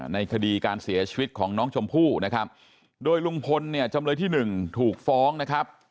ในคดีการเสียชีวิตของน้องชมพู่นะครับโดยลุงพลเนี่ยจำเลยที่หนึ่งถูกฟ้องนะครับ